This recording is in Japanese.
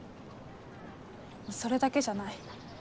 それだけじゃない。